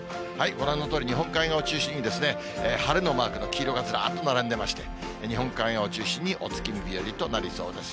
ご覧のとおり、日本海側を中心に、晴れのマークの黄色がずらっと並んでまして、日本海側を中心にお月見日和となりそうです。